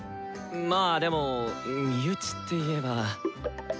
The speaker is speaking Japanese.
まぁでも身内っていえば。